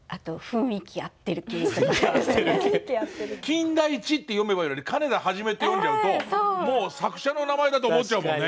「金田一」って読めばいいのに「金田一」って読んじゃうともう作者の名前だと思っちゃうもんね。